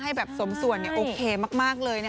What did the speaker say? ให้แบบสมส่วนโอเคมากเลย